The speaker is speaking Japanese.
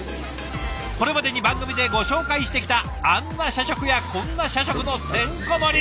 これまでに番組でご紹介してきたあんな社食やこんな社食のてんこ盛り。